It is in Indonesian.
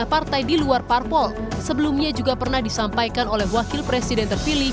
partai di luar parpol sebelumnya juga pernah disampaikan oleh wakil presiden terpilih